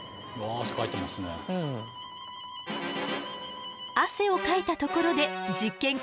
汗をかいたところで実験開始よ。